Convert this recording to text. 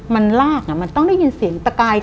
มันลากมันต้องได้ยินเสียงตะกาย